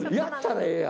ええやん！